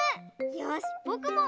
よしぼくも！